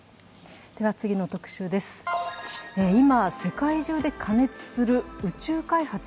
次の特集です、今世界中で加熱する宇宙開発。